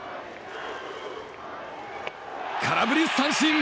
空振り三振！